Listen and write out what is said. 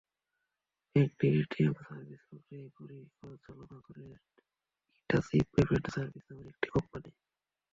ব্যাংকটির ATM সার্ভিস-প্রক্রিয়া পরিচালনা করে হিটাচি পেমেন্ট সার্ভিস নামের একটি কোম্পানি।